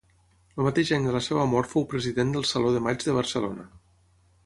El mateix any de la seva mort fou president del Saló de maig de Barcelona.